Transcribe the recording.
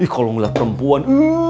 kalau melihat perempuan